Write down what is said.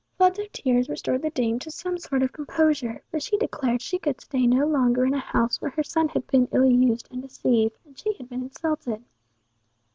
Floods of tears restored the dame to some sort of composure; but she declared she could stay no longer in a house where her son had been ill used and deceived, and she had been insulted.